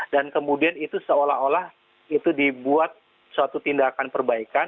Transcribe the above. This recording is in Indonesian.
dan kemudian itu seolah olah itu dibuat suatu tindakan perbaikan